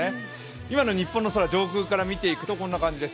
今の日本の空、上空から見ていくとこんな感じです。